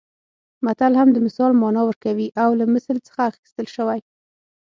متل هم د مثال مانا ورکوي او له مثل څخه اخیستل شوی